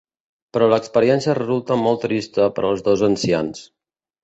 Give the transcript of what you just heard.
Però l'experiència resulta molt trista per als dos ancians.